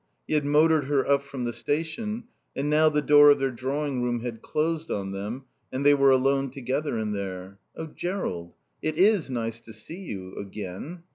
He had motored her up from the station, and now the door of the drawing room had closed on them and they were alone together in there. "Oh, Jerrold it is nice to see you again."